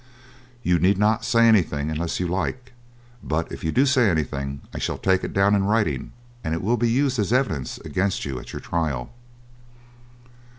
You need not say anything unless you like, but if you do say anything I shall take it down in writing, and it will be used as evidence against you at your trial."